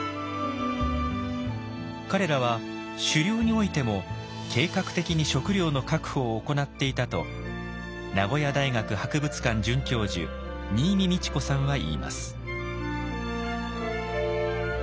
彼らは「狩猟」においても計画的に食料の確保を行っていたと名古屋大学博物館准教授新美倫子さんは言います。